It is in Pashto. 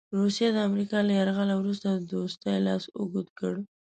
روسیې د امریکا له یرغل وروسته د دوستۍ لاس اوږد کړ.